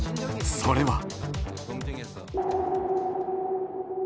それは。